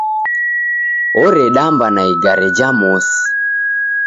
Oredamba na igare ja mosi.